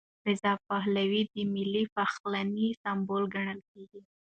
رضا پهلوي د ملي پخلاینې سمبول ګڼل کېږي.